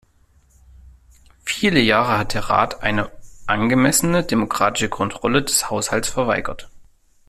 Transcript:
Viele Jahre hat der Rat eine angemessene demokratische Kontrolle des Haushalts verweigert.